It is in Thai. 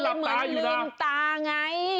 หลับตาเลยเหมือนลืมตาไง